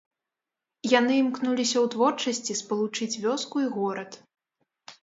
Яны імкнуліся ў творчасці спалучыць вёску і горад.